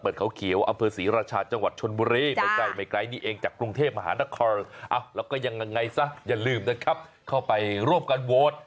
แล้วก็ยังไงซะอย่าลืมนะครับเข้าไปรวบกันโหวต